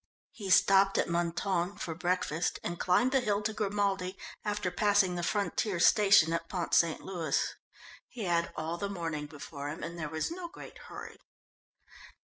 He stopped at Mentone for breakfast and climbed the hill to Grimaldi after passing the frontier station at Pont St. Louis. He had all the morning before him, and there was no great hurry.